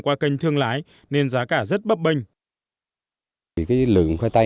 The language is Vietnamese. qua kênh thương lái nên giá cả rất bấp bênh